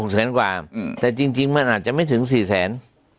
แสนกว่าแต่จริงมันอาจจะไม่ถึง๔แสน